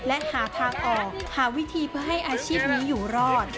และหาทางออกหาวิธีเพื่อให้อาชีพนี้อยู่รอด